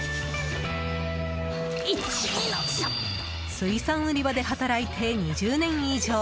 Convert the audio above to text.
水産売り場で働いて２０年以上。